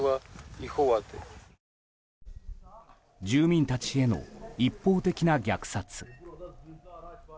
住民たちへの一方的な虐殺。